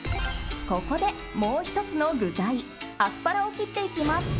ここで、もう１つの具材アスパラを切っていきます。